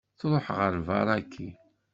Tṛuḥ ɣer Ibaraki.